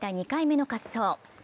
２回目の滑走。